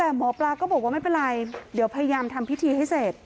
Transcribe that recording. แต่หมอปลาก็บอกว่าไม่เป็นไรเดี๋ยวพยายามทำพิธีให้เสร็จ